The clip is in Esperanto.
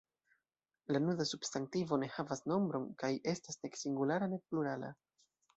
La nuda substantivo ne havas nombron, kaj estas nek singulara nek plurala.